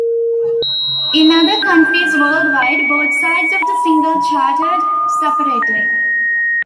In other countries worldwide, both sides of the single charted separately.